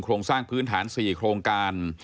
โครงสร้างพื้นฐาน๔โครงการ